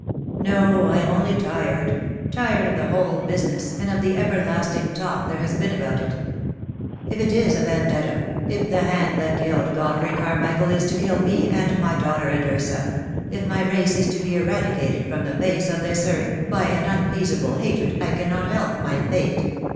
"No, I am only tired — tired of the whole business, and of the everlasting talk there has been about it. If it is a vendetta, if the hand that killed Godfrey Car michael is to kill me, and my daughter, and her son — if my race is to be eradicated from the face of this earth by an unappeasable hatred I cannot help my fate.